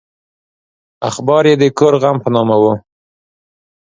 اخبار یې د کور غم په نامه و.